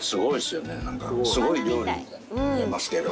すごい料理に見えますけど。